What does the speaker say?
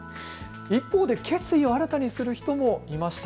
一方で決意を新たにする人もいました。